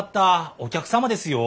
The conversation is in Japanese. お客様ですよ。